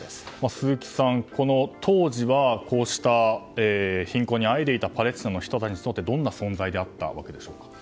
鈴木さん、当時はこうした貧困にあえいでいたパレスチナの人たちにとってどんな存在だったんでしょうか？